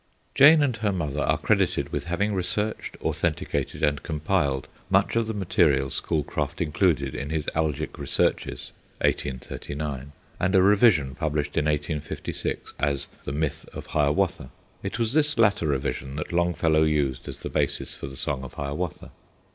Jane and her mother are credited with having researched, authenticated, and compiled much of the material Schoolcraft included in his Algic Researches (1839) and a revision published in 1856 as The Myth of Hiawatha. It was this latter revision that Longfellow used as the basis for The Song of Hiawatha.